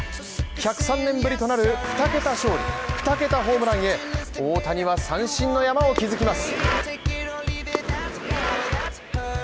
１０３年ぶりとなる２桁勝利・２桁ホームランへ大谷は三振の山を築きます。